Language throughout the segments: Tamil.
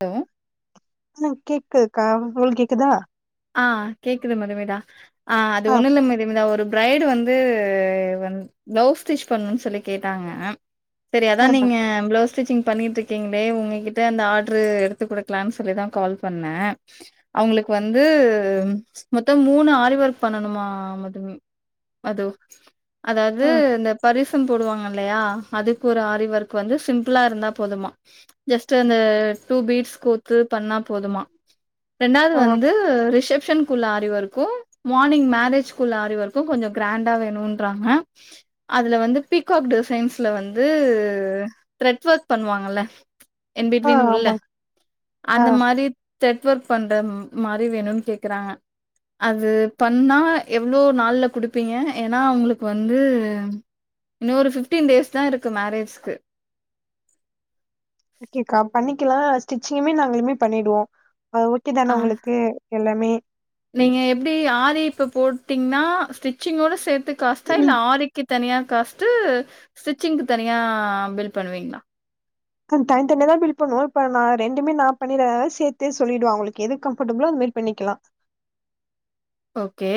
டோ ஆ கேக்குக்கா உங்களுக் கேக்குதா ஆ கேக்குது மதுமிதா ஆ அது ஒன்னுல்ல மதுமிதா ஒரு ப்ரைடு வந்து வந் பிளவுஸ் ஸ்டிச் பண்ணுன் சொல்லி கேட்டாங்க சரி அதா ஆ நீங்க ப்ளவுஸ் ஸ்டிச்சிங் பண்ணிட் இருக்கீங்ளே உங்ககிட்ட அந்த ஆர்ட்ரு எடுத்து குடுக்கலான் சொல்லிதா கால் பண்ணே அவங்ளுக்கு வந்து மொத்தோ மூணு ஆரி வொர்க் பண்ணணுமா மதுமி அது அதாவ்து ம் இந்த பரிசு கும் போடுவாங்க இல்லையா அதுக்கு ஒரு ஆரி ஒர்க் வந்து சிம்பிளா இருந்தா போதுமா ஜஸ்ட் அந்த டூ பீட்ஸ் கோத்து பண்ணா போதுமா பெ ஆ ஓகே வந்து reception full aari work morning marriage குள்ள ஆரி வொர்க்கு கொஞ்சோ கிராண்டா வேணுன்றாங்க அதுல வந்து பிகாக் டிசைன்ஸ்ல வந்து த்ரெட் ஒர்க் பண்ணுவாங்கல்ல என் ஆ பெட்வீன் உள்ள ஆமாங்க ஆ அந்த மாதி த்ரெட் ஒர்க் பண்ற மாரி வேணுன் கேக்குறாங்க அது பண்ணா எவ்ளோ நாள்ல க குடுப்பீங்க ஏனா உங்களுக் வந்து இன்னு ஒரு ஃப்டீன் டேஸ் தா இருக்கு மேரேஜ்க்கு ஓகேக்கா பண்ணிக்கலா ஸ்டிச்சிங்குமே நாங்களளுமே பண்ணிடுவோ அ ஓகே தான ஆ உங்களுக்கு எல்லாமே நீங்க எப்டி ஆரி இப்ப போட்டீங்ன்னா ஸ்டிச்சிங் ஓட சேத்து காஸ்டா இல்ல ஆரி கு தனியா காஸ்ட்டு ஸ்டிச்சிங்க்கு தனியா பில் பண்ணுவீங்ளா அது தனி தனியா தா பில் பண்ணுவோ இப்ப நா ரெண்டுமே நா பண்ணிரதால சேத்தே சொல்லிடுவே அவங்களுக்கு எது கம்ஃபர்டபிளோ அந்த மாரி பண்ணிக்கலா ஓகே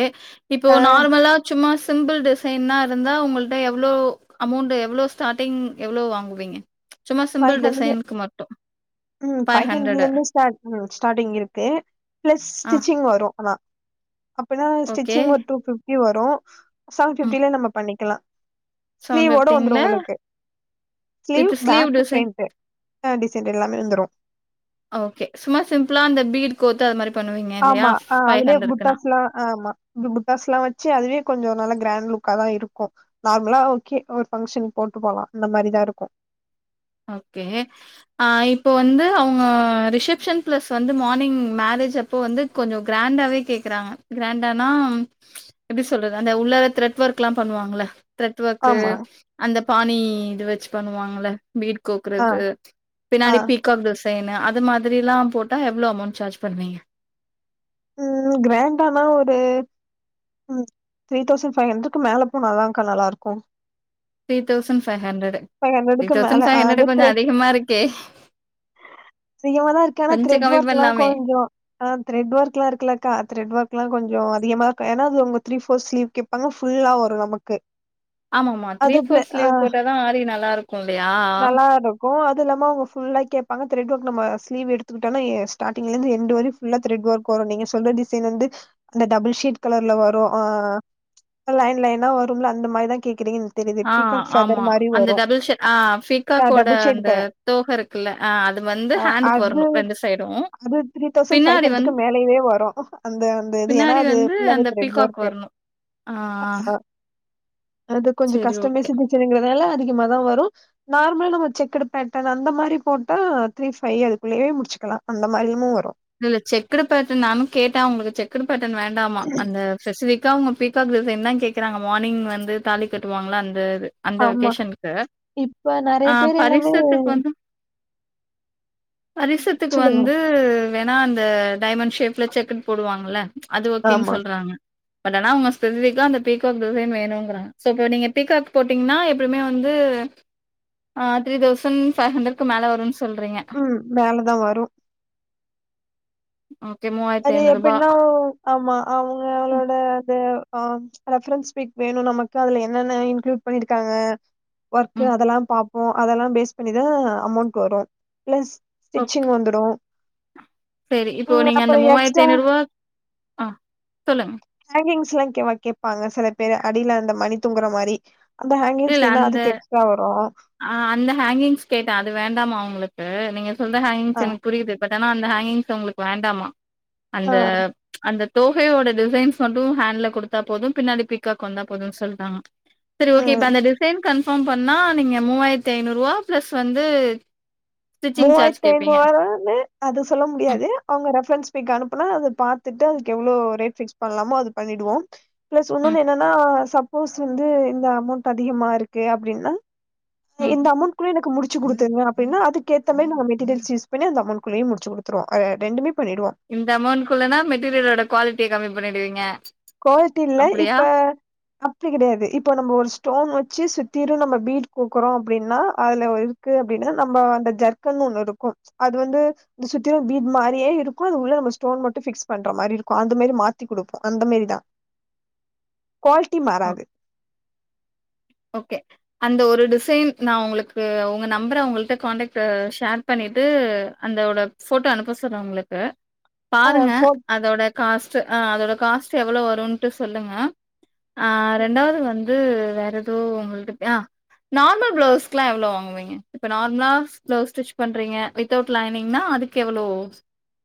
இப்போ ஆ நார்மலா சும்மா சிம்பிள் டிசைன்னா இருந்தா உங்கள்ட எவ்ளோ அமௌண்ட் எவ்ளோ ஸ்டார்ட்டிங் எவ்ளோ வாங்குவீங்க சும்மா ஃபைவ் சிம்பிள் ஹண்ட்ரட்ல டிசைனுக்கு மட் ம் ஃபைவ் ஹண்ட்ரட்ல இருந்தே ஸ்டார்ட் ம் ஸ்டார்டிங் இருக்கு பிளஸ் ஆ ஸ்டிச்சிங் வரு ஆனா அப்பின்னா ஓகே. ஸ்டிச்சிங் ஒரு டூ பிப்டி வரு செவன் ம். பிப்டில நம்ம பண்ணிக்கலா ஸ்லீவோட வந்துரு உங்களுக்கு sleeve with back design. Front சேர் அ டிசைன்ட் எல்லாமே வந்துரு ஓகே சும்மா சிம்பிளா இந்த பீட் கோத்து அது மாரி பண்ணுவீங்க இல்லையா? ஆமா ஆ அதுலே புட்டாஸ்லா ஆமா இப்டி புட்டாஸ்லா வச்சு அதுவே கொஞ்சோ நல்லா கிராண்ட் லுக்கா தா இருக்கு நார்மலா ஓகே ஒரு பங்க்ஷன் போட்டு போலா அந்த மாரிதா இருக்கு ஓகே ஆ இப்ப வந்து அவுங்க ரிசப்ஷன் ப்ளஸ் வந்து மார்னிங் மேரேஜ் அப் இப்போ வந்து கொஞ்சோ கிராண்டாவே கேக்குறாங்க கிராண்டானா எப்டி சொல்றது அந்த உள்ளார த்ரெட் ஒர்க்ல்லா பண்ணுவாங்கள்ள த்ரட் ஒர்க்கு ஆமா அந்த பாணி இது வச்சு பண்ணுவாங்கள பீட் ஆ கோக்குறது ஆ பின்னாடி பீக் காக் டிசைனு அது மாதிரிலா போட்டா எவ்ளோ அமௌண்ட் சார்ஜ் பண்ணுவீங்க ம் கிராண்டானா ஒரு ம் த்ரீ தௌசண்ட் ஃபைவ் ஹண்ட்ரட்க்கு மேல போனாதாக்க நல்லா இருக்கு three thousand five hundred five three ஹண்ட்ரடுக்கு மேல தௌசண்ட் பைவ் ஆ அது ஹண்ட்ரட் கொஞ்சோ த்ரே அதிகமா இருக்கே அதிகமாதா இருக்கு ஆனா கொஞ்சோ த்ரெட் கம்மி ஒர்க்லா பண்லாமே கொஞ்சோ ஆ த்ரெட் ஒர்க்லா இருக்குல்லக்கா த்ரெட் ஒர்க்லா கொஞ்சோ அதிகமாதா இருக்கு ஏனா அது அவுங்க த்ரீ ஃபோர் ஸ்லீவ் கேப் பாங்க ஃபுல்லா வரு நமக்கு ஆமா ஆமா த்ரீ அது பிள ஃபோர் ஆ ஸ்லீவ் போட்ட தா ஆரி நல்லா இருக்கு இல்லையா நல்லா இருக் கோ அது இல்லாம அவுங்க ஃபுல்லா கேப்பாங்க த்ரட் ஒர்க் நம்ம ஸ்லீவ்வ் எடுத்துக்கிட்டனோய்ய ஸ்டாட்டிங்லந்து எண்டு வரயு ஃபுல்லா த்ரெட் ஒர்க் வரு நீங்க சொல்ற டிசைன் வந்து அந்த டபுள் ஷேட் கலர்ல வரு ஆ லைன் லைனா வரும்ல அந்த மாரிதா கேக்குறீங்கன் என்க்கு தெரியிது பிக்காக் ஃபெதர் மாரி வ ந்த டபுள்ட் ஷேட் அ பிகாக்கோட அந்த க தோக இருக்குல்ல அ அது வந்து ஆ ஹேண்டுக்கு அது வர்ணு ரெண்டு சைடு அது த்ரீ தௌசண் ஃபைவ் ஹண்ட்ரக்கு மேலய்வே வரு அந்த அந்த இது ஏனா பின்னாடி அது வந்து ஃபுல்லாவே அந்த த்ரட் பீகாக் ஒர்க்கு வரணும். ஆ அது கொஞ்ச சரி ஓகே. கஷ்டமைஸ் ப்ரச்சனைங்கிறதால அதிகமாதா வரு நார்மலா நம்ம செக்குடு பேட்டன் அந்த மாரி போட்டா த்ரீ ஃபைவ் அதுக்குள்ளயே முடிச்சுக்கலா அந்த மாரிமு வரு இல்ல செக்குடு பேட்டன் நானு கேட்டே அவுங்களுக்கு செக்குடு பேட்டன் வேண்டாமா அந்த ஸ்பெசிஃபிகா அவுங்க பீக்காக் டிசைன் தா கேக்றாங்க மானிங் வந்து தாலி கட்டுவாங்ளா அந்த இது அந்த ஆமா வெக்கேஷன்க்கு இப்ப நெறைய ஆ பேர் எல்லாமே பரிசத்துக்கு வந்து பரிசத்துக்கு சொல்லுங்க வந்து வேணா அந்த டைமண் ஷேப்ல செக்ட் போடுவாங்கள்ல அது ஓக்கேன் ஆமா. சொல்றாங்க பட் ஆனா அவுங்க ஸ்பெசிஃபிக்கா அந்த பீகாக் டிசை வேணுங்றாங் சோ அப்ப நீங்க பீகாக் போட்டீங்னா இப்பமே வந்து அ த்ரீ தௌசண் ஃபைவ் ஹண்ட்ரட்கு மேலே வருன் சொல்றீங்க ம் மேல தா வரு ஓக்கே மூ அது எப்டின்னா ஆமா அவுங்க அவளோட அது ஆ ரெஃபரன்ஸ் பிக் வேணு நமக்கு அதுல என்னென்ன இன்க்ளூட் பண்ணிருக்காங்க ஒர்க்கு ம். அதெல்லா பாப்போ அதெல்லா பேஸ் பண்ணிதா அமோண்ட் வரு பிளஸ் ஸ்டிச்சிங் வந்துடு சேரி இப்போ நீங்க அந்த மூவாயிரத் எக்ஸ்ட்ரா ஐநூற்வா ஆ சொல்லுங்க ஹேங்கிங்ஸ்லா கே கேப்பாங்க சில பேரு அடில அந்த மணி தொங்கற மாரி அந்த ஹேங்கிஸ்கெனா அதுக்கு எக்ஸ்ட்ரா வரு ஆ அந்த ஹேங்கிங்ஸ் கேட்டே அது வேண்டாமா அவுங்களுக்கு நீங்க சொல்ற ஹேங்கிங்ஸ் அ எனக்கு புரியுது பட் ஆனா அந்த ஹேங்கிங்ஸ் அவ்ங்களுக்கு வேண்டாமா அந்த ஆ அந்த தோகையோட டிசைன்ஸ் மட்டு ஹேண்ல குடுத்தா போது பின்னாடி பீக்காக் வந்தா போது சொல்டாங்க சரி ஓக்கே ம். இப்ப அந்த டிசைன் கன்ஃபாம் பண்ணா நீங்க மூவாயிரத்தி ஐநூற்வா பிளஸ் வந்து ஸ்டிச்சிங் சார்ஜ் மூவாயிரத்தி ஐநூ கேப்பீங்க வராது அது சொல்ல ம் முடியாது அவுங்க ரெஃபரன்ஸ் பிக் அனுப்புனா அத பாத்துட்டு அதுக்கு எவ்ளோ ரேட் ஃபிக்ஸ் பண்லாமோ அது பண்ணிடுவோ பிளஸ் ம் உன்னொன்னு என்னன்னா சப்போஸ் வந்து இந்த அமோண்ட் அதிகமா இருக்கு அப்டின்னா ம் இந்த அமோண்ட் குள்ள எனக்கு முடு ச்சு குடுத்துருங்க அப்ன்னா அதுக்கேத்த மாரி நாங்க மெட்டீரியல்ஸ் யூஸ் பண்ணி அந்த அமோண்ட்டு குள்ளயே முடிச்சு குடுத்துருவோ அ ரெண்டுமே பண்ணிடுவோ இந்த அமோண்ட்குள்ளன்னா மெட்டீரியலோட குவாலிட்டிய கம்மி பண்ணிடுவீங்க குவாலிட்டி இல்ல அப்டியா இப்ப அ ப்டி கெடையாது இப்ப நம்ம ஒரு ஸ்டோன் வச்சு சுத்திரு நம்ம பீட் குடுக்றோ அப்டினா அதுல ஒரு க்கு அப்டினா நம்ம அந்த ஜர்க்கன் ஒண்ணு இருக்கு அது வந்து இது சுத்திலு பீ்ட் மாரியே இருக்கு அது உள்ள நம்ம ஸ்டோன் மட்டு ஃபிக்ஸ் பண்ற மாரி இருக்கு அந்த மேரி மாத்தி குடுப்போ அந்த மாரி தா குவால்ட்டி மாறாது ஓக்கே அந்த ஒரு டிசைன் நா உங்களுக்கு உங்க நம்பர அவ்ங்கள்ட்ட கான்டக்ட்டு ஷேர் பண்ணிட்டு அந்தோட ஃபோட்டோவ அனுப்ப சொல்ற உங்களுக்கு ஆ பாருங்க ஃபோர் அதோட காஸ்ட்டு அ அதோட காஸ்ட்டு எவ்ளோ வருன்ட்டு சொல்லுங்க ஆ ரெண்டாவது வந்து வேற எதோ உங்கள்ட்ட ஆ நார்மல் ப்ளௌஷ்க்லா எவ்ளோ வாங்குவீங்க இப்ப நார்மலாஸ் ப்ளவுஸ் ஸ்டிச் பண்றீங்க வித்தவுட் லைனிங்னா அதுக்கு எவ்வளோ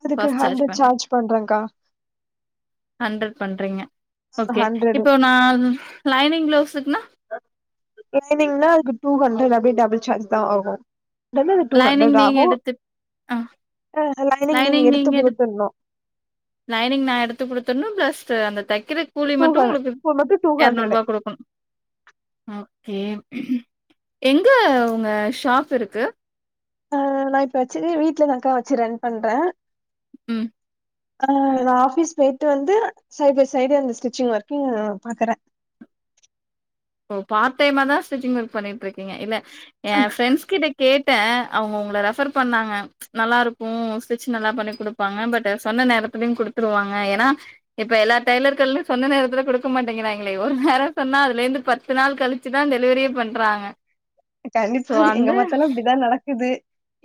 அதுக்கு ஹண்ட்ரட் சார்ஜ் பண்றங்க்கா ஹண்ட்ரட் பண்றீங்க ஓகே ஹண்ட்ரடு இப்போ நா லைனிங் ப்ளெவுஸுக்னா லைனீங்னா அதுக்கு டூ ஹண்ட்ரட் அப்டியே டபுள் சார்ஜ் தா ஆகு டன்னது டூ லைனிங் ஹண்ட்ரட் நீங்க ஆகு எடுத்து ஆ ஆ லைனிங் நீங்க எடுத்து குடுத்துர்ணு லைனிங் நா எடுத்து குடுத்துர்ணு பிளஸ்டு அந்த தெக்கிற கூலி டூ ஹ மட்டு உங்களுக்கு அது மட்டு டூ ஹண்ட்ரடு எர்நூற்பா குடுக்கணு ஓகே எங்க உங்க ஷாப் இருக்கு ஆ நா இப்ப வச்சதே வீட்லதாங்க்கா வச்சி ரன் பண்ற ம் ஆ நா ஆஃபீஸ் பேயிட்டு வந்து சைட் பை சைடு அந்த ஸ்டிச்சிங் ஒர்க்கிங் பாக்கறே ஓ பார்ட் டைமா தா ஸ்டிச்சிங் ஒர்க் பண்ணிகிட்ருக்கீங்க இல்ல ஏ ஃப்ரண்ட்ஸ் கிட்ட கேட்டே அவுங்க உங்கள ரெஃபர் பண்ணாங்க நல்லா இருக்கூ ஸ்டிச் நல்லாப் பண்ணி குடுப்பாங்க பட்டு சொன்ன நேரத்துலயு குடுத்துருவாங்க ஏனா இப்ப எல்லா டெய்லர்கடைலியு சொந்த நேரத்துலக் குடுக்க மாட்டேங்கராய்ங்களே ஒரு நேரொ சொன்னா அதுலேந்து பத்து நாள் கழிச்சுதா டெலிவரியே பண்றாங்க கண்டிப்பா சோ அது எங்க அந்த பாத்தாலு அப்டிதா நடக்குது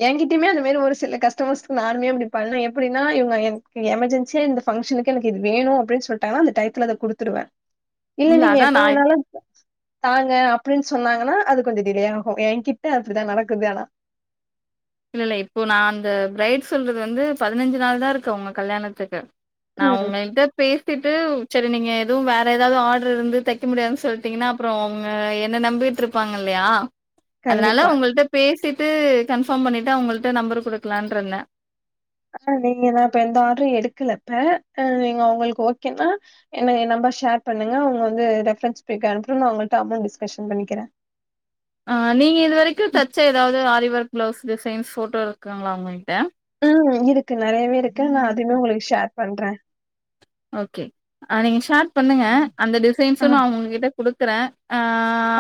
ஏங்கிட்டயுமே அந்த மாரி ஒரு சில கஸ்டமர்ஸ்கு நானுமே அப்டி பன்ன எப்டினா இவுங்க என் எமர்ஜன்சியா இந்த ஃபன்ஷனுக்கு எனக்கு இது வேணு அப்டின் சொல்டாங்கான அந்த டைத்துல அதக் குடுத்துடுவ இல்ல நீங்க அதான் எப்ப நான் வேணாலு த தாங்க அப்டின் சொன்னாங்கனா அது கொஞ்ச டிலே ஆகு ஏங்கிட்ட அப்டிதா நடக்குது ஆனா இல்ல இல்ல இப்போ நா அந்த பிரைட் சொல்றது வந்து பதினஞ்சு நாள் தா இருக்கு அவுங்க கல்யாணத்துக்கு நா ம் உங்கள்ட்ட பேசிட்டு சரி நீங்க எதும் வேற எதாவது ஆட்ரு இருந்து தெக்க முடியாதுன் சொல்ட்டீங்கன்னா அப்புறொ அவுங்க என்ன நம்பி ட்ருபாங்க இல்லையா அதனால கண்டிப்பா உங்கள்ட்ட பேசிட்டு கன்ஃபார்ம் பண்ணிட்டு அவுங்கள்ட்ட நம்பர் குடுக்கலான்ருந்த ஆ நீங்க நா இப்ப எந்த ஆட்ரு எடுக்கல இப்ப நீங்க உங்களுக்கு ஓகேன்னா என்ன ஏ நம்பா ஷேர் பண்ணுங்க உங்க வந்து ரெஃப்ரன்ஸ் பிக் அனுப்புட்டு நா உங்கள்ட்ட அமௌண்ட் டிஸ்கஷன் பண்ணிக்கிறே ஆ நீங்க இது வரைக்குந் தச்ச எதாவ்து ஆரிவொர்க் ப்ளவுஸ் டிசைன்ஸ் ஃபோட்டோ இருக்காங்களா உங்கள்ட்ட ம் இருக்கு நறையவே இருக்கு நா அதுவே உங்களுக்கு ஷேர் பண்றே ஓகே அ நீங்க ஷேர் பண்ணுங்க அந்த ஆ டிசைன்ஸும் நா உங்க கிட்ட குடுக்குறே ஆ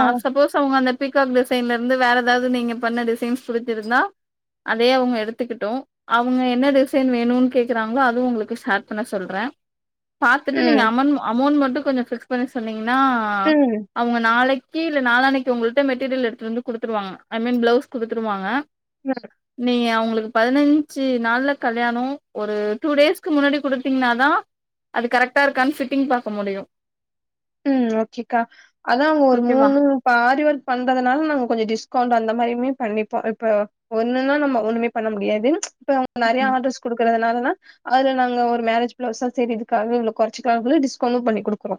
ஆ சப்போஸ் அவுங்க அந்த பீக்காக் டிசைன்லேருந்து வேற எதாவ்து நீங்க பண்ண டிசைன்ஸ் புடிச்சிருந்தா அதே அவுங்க எடுத்துக்கிட்டு அவுங்க என்ன டிசைன் வேணுன் கேக்குறாங்களோ அதுவு உங்களுக்கு ஷேர் பண்ண சொல்றே பாத்துட்டு நீங்க ம் அமண்ட் அமௌண்ட் மட்டு கொஞ்சொ ஃபிக்ஸ் பண்ணி சொன்னீங்கன்னா ம் அவுங்க நாளைக்கி இல்ல நாளானக்கி ஒங்கள்ட்ட மெட்டீரியல் எடுத்துட்டு வந்து குடுத்துருவாங்க ஐ மீன் ப்ளவுஸ் குடுத்துருவாங்க மர் நீங்க அவுங்களுக்கு பதினஞ்சு நாள்ல கல்யாணோ ஒரு டூ டேஸ்க்கு முன்னாடி குடுத்தீங்ன்னாதா அது கரக்டா இருக்கான்னு ஃபிட்டிங் பாக்க முடியு ம் ஓகேக்கா அதா அவுங்க ஒரு ஓகேவா மூணு ப்ப ஆரி ஒர்க் பண்றதுனால நாங்க கொஞ்சொ டிஸ்கவுண்ட் அந்த மாரியுமே பண்ணிப்போ இப்ப ஒண்ணுன்னா நம்ம ஒண்ணுமே பண்ண முடியாது இப்ப அவுங்க நறையா ம் ஆர்டர்ஸ் குடுக்குறதுனாலதா அதுல நாங்க ஒரு மேரேஜ் ப்ளவுஸ்ஸா செரி இதுக்காகவே இவ்ளோ கொறச்சிக்லா டிஸ்கவுண்டும் பண்ணி குடுக்குறோ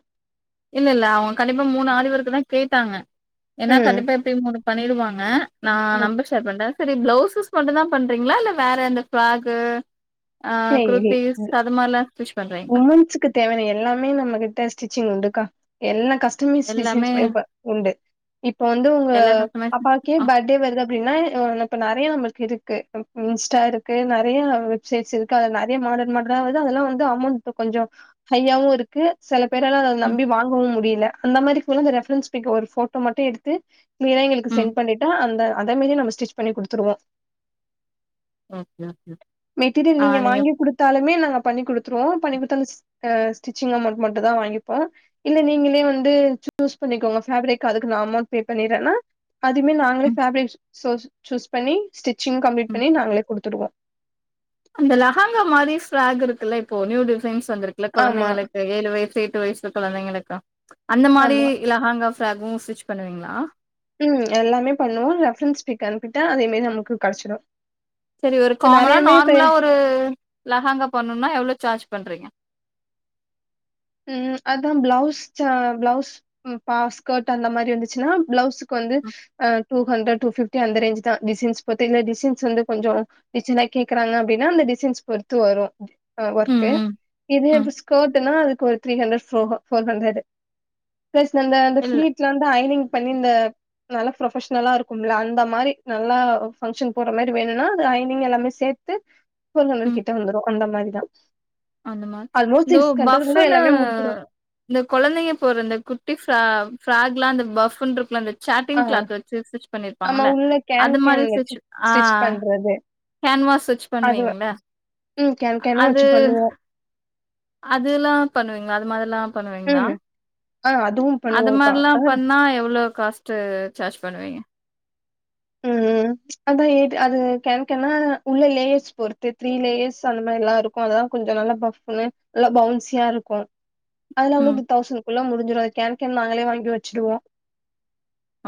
இல்ல இல்ல அவுங்க கண்டிப்பா மூணு ஆரிவொர்க்கு தா கேட்டாங்க ஏன்னா ம் கண்டிப்பா எப்டி மூணு பண்ணிடுவாங்க நா நம்பர் ஷேர் பண்றே சரி பிளவுசஸ் மட்டு தா பண்றீங்களா இல்ல வேற அந்த ஃப்ராக்கு குர்தீஸ் டக் அது மார்லா உமன்ஸ்குக்கு தேவையான எல்லாமே நம்ம கிட்ட ஸ்டிச்சிங் உண்டுக்கா எல்லா கஸ்டமைஸ்ட் எல்லாமே டிசைன்ஸ்மே உண்டு இப்போ வந்து உங்க எல்லா கஸ்டமைஸ் பாப்பாக்கே ஆ பர்த்டே வருத அப்டின்னா இப்ப நிறைய நம்மளுக்கு இருக்கு இன்ஸ்டா இருக்கு நறையா வெப்சைட்ஸ் இருக்கு இப்போ அது நறையா மாடர்ன் மாடர்னா வருது அதெல்லா வந்து இப்போ அமௌண்ட் கொஞ்சோ ஹையாவு இருக்கு சில பேரால அத ம், நம்பி வாங்கவு முடியல அந்த மாதிரி குள்ளத ரெஃப்ரன்ஸ் பிக்க ஒரு போட்டோ மட்டு எடுத்து கிளியரா எங்களுக்கு ம். சென்ட் பண்ணிட்டா அந்த அத மேரி நம்ம ஸ்டிச் பண்ணி கொடுத்துருவோ ஓகே, ஓகே. மெட்டீரியல் நீங்க வாங்கி கொடுத்தாலுமே நாங்க பண்ணிக்குடுத் சுத்துருவோ பண்ணி குடுத்தாலு ஸ்டிச் ஸ்டிச்சிங் அமௌண்ட் மட்டு தா வாங்கிப்போ இல்ல நீங்களே வந்து சூஸ் பண்ணிக்கோங்க பேஃப்ரிக் அதுக்கு நா அமௌண்ட் பே பண்ணிறேன்னா அதுமே நாங்களே ம், பேஃப்ரிக் சூஸ் பண்ணி ஸ்டிச்சிங் கம்ப்ளீட் ம். பண்ணி நாங்களே குடுத்துடுவோ அந்த லஹாங்கா மாரி ஃப்ராக் இருக்குல்ல இப்போ நியூ டிசைன்ஸ் வந்திருக்குல்ல ஆமா கொழந்தைங்களுக்கு இந்த ஏழு வயசு எட்டு வயசுல கொழந்தைங்களுக்கா அந்த மாரி ஆமா லஹாங்கா ஃப்ராகு ஸ்டிச் பண்ணுவீங்களா ம் எல்லாமே பண்ணுவோம் ரெஃபரன்ஸ் பிக் அனுப்பிட்டா அதே மாரி நமக்கு கிடச்சிடு சரி ஒரு காமனா நார்மலா ஒரு லஹாங்கா பண்ணணுன்னா எவ்ளோ சார்ஜ் பண்றீங்க ம் அதா பிளவுஸ் சா பிளவுஸ் பா ஸ்கர்ட் அந்த மாரி வந்துச்சுன்னா பிளவுஸ் க்கு வந்து ம், அ டூ ஹண்ட்ரட் டூ பிப்டி அந்த ரேஞ்ச் தா டிசைன்ஸ் பொறுத்து இல்ல டிசன்ஸ் வந்து கொஞ்சோ டிசைனா கேக்குறாங்க அப்டின்னா அந்த டிசைன்ஸ் பொறுத்து வரு அ ம், ஒர்க்கு ம், இதே ம். இப்ப ஸ்கர்ட்ன்னா அதுக்கு ஒரு த்ரீ ஹண்ட்ரட் ஃப்ரோ ஃபோர் ஹண்ட்ரடு பிளஸ் அந்த அந்த இல்ல. பளீட்ல வந்து ஐனிங் பண்ணி இந்த நல்லா ப்ரொபஷனலா இருக்கும்ல அந்த மாதிரி நல்லா ஃபங்க்ஷன் போட்ற மாதிரி வேணும்னா அது ஐனிங் எல்லாமே சேர்த்து [inaudible] பர் ஹண்டரட் கிட்ட வந்துரும் அந்த மாதிரி தா அந்த மாரி. ஆல்மோஸ்ட் இதோ சிக்ஸ் ஹண்ட்ரட் குள்ள பஃப்ன்னு எல்லாமே முடிஞ்சிடு இந்த கொழந்தைங்க‌ போடுற அந்த குட்டி ஃப்ராக்லா அந்த பஃப்னு இருக்குல்ல அந்த ஆ சாட்டிங் கிளாத் வச்சு ஸ்டிச் ஆமா பண்ணிருப்பாங்கல்ல உள்ள கேன் அது மாதிரி கேன் வச்சு ஸ்டிச்சு ஆ ஸ்டிச் பண்றது ஹேண்ட்வாஸ் வச்சு அது வ- பண்ணுவீங்கல்ல ம் கேன் கேனா வச்சு பண்ணுவோ அதுலா பண்ணுவீங்களா அது மாதிரிலா பண்ணுவீங்களா ம் ஆ அதுவும் அது மாரிலா பண்ணா எவ்ளோ காஸ்ட்டு சார்ஜ் பண்ணுவீங்க அது எய்ட் அது கேன் கேனா உள்ள லேயர்ஸ் பொருத்து த்ரீ லேயர்ஸ் அந்த மாரில்லா இருக் அதா கொஞ்ச நல்லா பஃப்ன்னு நல்லா பவுன்சியா இருக்கு அதுலா வந்து ம். இந்த தௌசண்ட்குள்ள முடிஞ்சிரு அது கேன் கேன் நாங்களே வாங்கி வச்சிடுவோ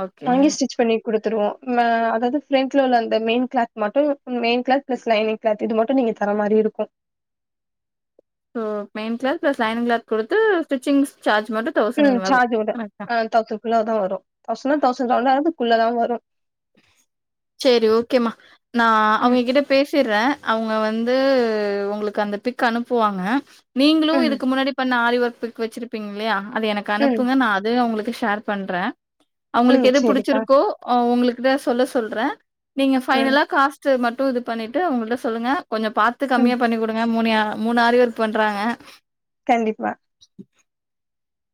ஓகே. வாங்கி ஸ்டிச் பண்ணி குடுத்துருவோ ம அதாவது ஃப்ரண்ட்ல உள்ள அந்த மெயின் கிளாத் மட்டு main cloth plus lining cloth இது மட்டு நீங்க தர மாரி இருக்கு so main cloth plus lining cloth குடுத்து ஸ்டிச்சிங்ஸ் சார்ஜ் மட்டு ம் சார்ஜ் ஓட அ தௌசண்ட்குள்ள தா வரு தௌசண்ணா தௌசண்ட் சவன் ஹண்ட்ரடுக்குள்ள தா வரு சேரி ஓகேமா நா ம் அவுங்க கிட்ட பேசிறே அவுங்க வந்து உங்களுக்கு அந்த பிக் அனுப்புவாங்க நீங்களு ம் இதுக்கு முன்னாடி பண்ண ஆரி ஒர்க்கு பிக் வச்சிருப்பீங்க இல்லயா அது எனக்கு ம் அனுப்புங்க நா அது அவுங்களுக்கு ஷேர் பண்றே ம் அவுங்களுக்கு எது சேரிக்கா புடிச்சிருக்கோ உங்களுக்குதா சொல்ல சொல்றே நீங்க ம் ஃபைனலா காஸ்ட்டு மட்டு இது பண்ணிட்டு அவுங்கள்ட்ட சொல்லுங்க கொஞ்ச பாத் து ம் கம்மியா பண்ணி குடுங்க மூணுயா மூணு ஆரி ஒர்க் பண்றாங்க கண்டிப்பா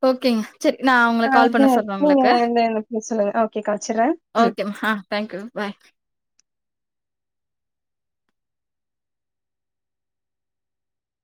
ஓகேங்க சரி நா அவுங்கள ஆ கால் பண்ண சொல்றே நீங்க உங்களுக்கு இந்த இந்த சொல்லுங்க ஓகேக்கா வச்சிட்றேன் ம் ஓகேம்மா ஆ தேங்க்யூ பாய்